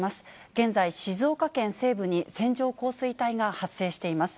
現在、静岡県西部に線状降水帯が発生しています。